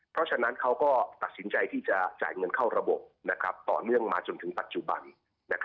เพราะฉะนั้นเขาก็ตัดสินใจที่จะจ่ายเงินเข้าระบบต่อเนื่องมาจนถึงปัจจุบัน